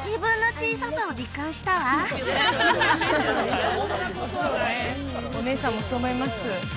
自分の小ささを実感したわそうねお姉さんもそう思います